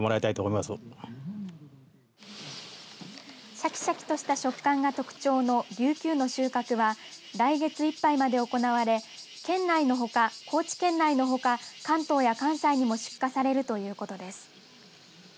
しゃきしゃきとした食感が特徴のリュウキュウの収穫は来月いっぱいまで行われ県内のほか高知県内のほか関東や関西にも出荷されるということです。